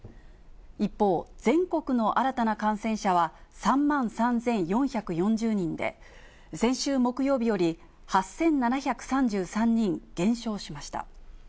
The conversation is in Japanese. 一方、全国の新たな感染者は３万３４４０人で、先週木曜日より８７３３人減少しました。